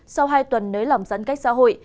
sau hai tuần nới lỏng giãn cách xã hội